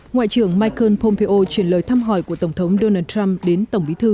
ngoại trưởng michael pompeo chuyển lời thăm hỏi của tổng thống donald trump đến tổng bí thư